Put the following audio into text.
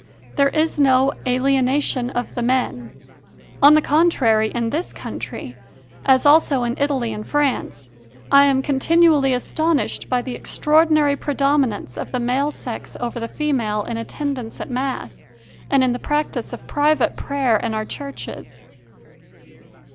There is no "alienation of the men"; on the con trary, in this country, as also in Italy and France, I am continually astonished by the extraordinary predominance of the male sex over the female in attendance at Mass and in the practice of private prayer in our churches.